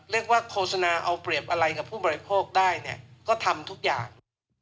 เรียกว่าโฆษณาเอาเปรียบอะไรกับผู้บริโภคได้ก็ทำทุกอย่าง